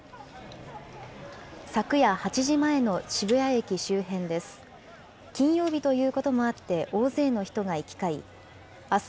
昨夜８時前の渋谷駅周辺です。